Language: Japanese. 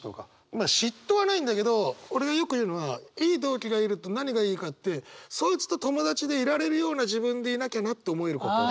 まあ嫉妬はないんだけど俺がよく言うのはいい同期がいると何がいいかってそいつと友達でいられるような自分でいなきゃなって思えることというか。